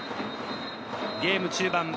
ゲーム中盤。